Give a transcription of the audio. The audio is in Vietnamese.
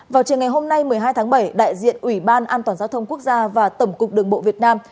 vào chiều ngày hôm nay một mươi hai tháng bảy đại diện ủy ban an toàn giao thông quốc gia và tổng cục đường bộ việt nam